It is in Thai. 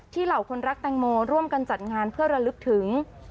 เหล่าคนรักแตงโมร่วมกันจัดงานเพื่อระลึกถึง